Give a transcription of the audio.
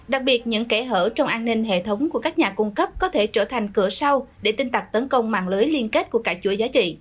đặc biệt những kẻ hở trong an ninh hệ thống của các nhà cung cấp có thể trở thành cửa sau để tinh tặc tấn công mạng lưới liên kết của cả chuỗi giá trị